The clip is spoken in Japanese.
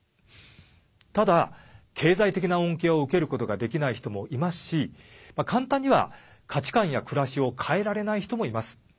ただ、経済的な恩恵を受けることができない人もいますし簡単には価値観や暮らしを変えられない人もいます。